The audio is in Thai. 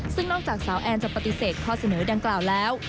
ซึ่งนอกจากสาวแอนจะปฏิเสธข้อเสนอดังกล่าวแล้ว